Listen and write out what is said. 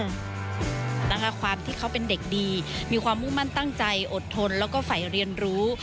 ความที่เขาเป็นเด็กดีมีความมุ่งมั่นตั้งใจอดทนแล้วก็ฝ่ายเรียนรู้